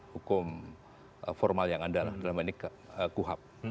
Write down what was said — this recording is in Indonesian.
hukum formal yang ada dalam ini kuhap